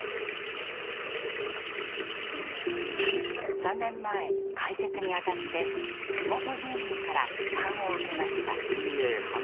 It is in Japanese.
３年前開設にあたって地元住民から批判を受けました。